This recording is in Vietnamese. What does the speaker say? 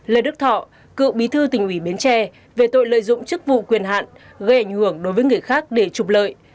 lê đức thọ cựu bí thư tỉnh ủy bến tre về tội lợi dụng chức vụ quyền hạn gây ảnh hưởng đối với người khác để trục lợi